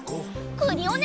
クリオネ！